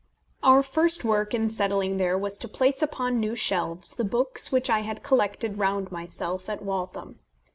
Our first work in settling there was to place upon new shelves the books which I had collected round myself at Waltham.